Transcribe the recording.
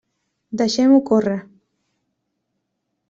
Deixem-ho córrer.